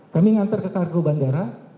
kami ngantar ke kargo bandara